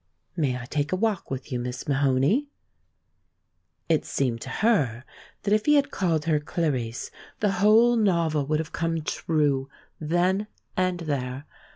"May I take a walk with you, Miss Mahoney?" It seemed to her that if he had called her Clarice the whole novel would have come true then and there.